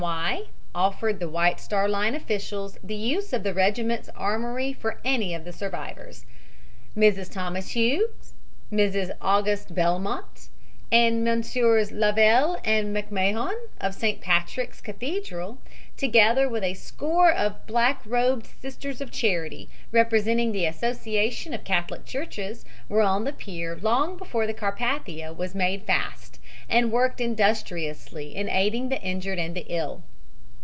Y., offered the White Star Line officials, the use of the regiment's armory for any of the survivors. Mrs. Thomas Hughes, Mrs. August Belmont and Mgrs. Lavelle and McMahon, of St. Patrick's Cathedral, together with a score of black robed Sisters of Charity, representing the Association of Catholic Churches, were on the pier long before the Carpathia was made fast, and worked industriously in aiding the injured and ill.